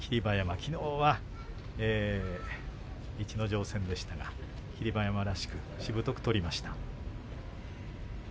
きのうは逸ノ城戦でしたが霧馬山らしくしぶとく取りました。